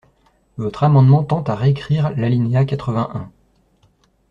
Votre amendement tend à réécrire l’alinéa quatre-vingt-un.